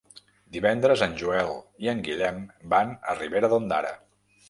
Divendres en Joel i en Guillem van a Ribera d'Ondara.